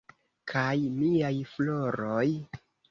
Kaj miaj floroj?